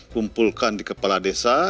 kumpulkan di kepala desa